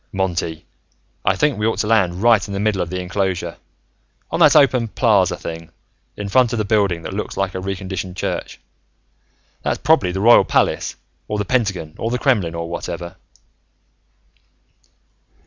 "Monty, I think we ought to land right in the middle of the enclosure, on that open plaza thing, in front of the building that looks like a reconditioned church. That's probably the Royal Palace, or the Pentagon, or the Kremlin, or whatever."